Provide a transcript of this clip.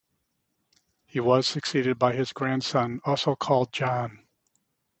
He was succeeded by his grandson, also called John.